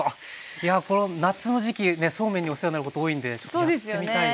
いやこの夏の時期ねそうめんにお世話になること多いんでちょっとやってみたいですね。